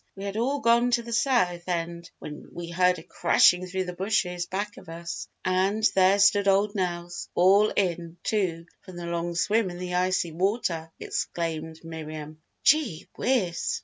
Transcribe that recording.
We had all gone to the south end when we heard a crashing through the bushes back of us. And there stood old Nelse all in, too, from the long swim in the icy water," explained Miriam. "Gee whiz!